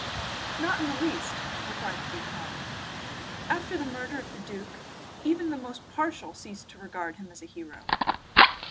"Not in the least," replied the vicomte. "After the murder of the duc even the most partial ceased to regard him as a hero.